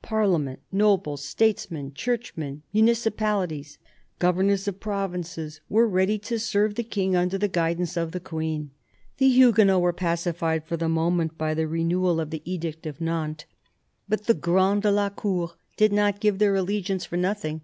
Parliament, nobles, statesmen, churchmen, munici palities, governors of provinces, were ready " to serve the King under the guidance of the Queen." The Huguenots were pacified, for the moment, by the renewal of the Edict THE BISHOP OF LUQON ^f of Nantes. But the " grands de la cour " did not give their allegiance for nothing.